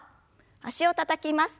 脚をたたきます。